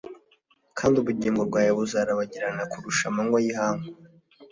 Kandi ubugingo bwawe buzarabagirana kurusha amanywa yihangu